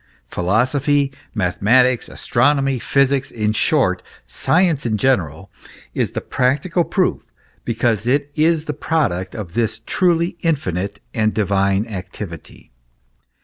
Philosophy, mathematics, astronomy, physics, in short, science in general, is the practical proof, because it is the product, of this truly infinite and divine activity.